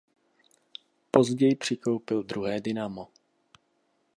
Později přikoupil druhé dynamo.